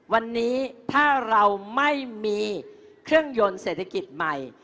วันนี้ถ้าเราไม่มีเครื่องยนต์เศรษฐกิจใหม่